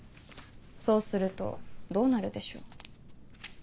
そうするとどうなるでしょう？